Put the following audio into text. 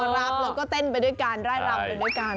เราก็เต้นไปด้วยกันไล่รับด้วยกัน